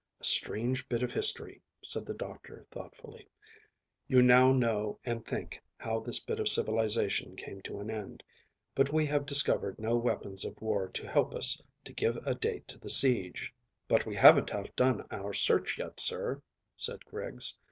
"A strange bit of history," said the doctor thoughtfully. "We know now and think how this bit of civilisation came to an end; but we have discovered no weapons of war to help us to give a date to the siege." "But we haven't half done our search yet, sir," said Griggs.